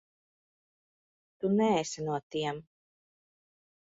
Tu neesi no tiem.